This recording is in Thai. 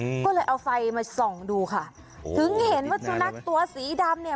อืมก็เลยเอาไฟมาส่องดูค่ะถึงเห็นว่าสุนัขตัวสีดำเนี่ย